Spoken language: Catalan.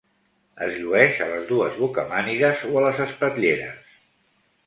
Es llueix a les dues bocamànigues o a les espatlleres.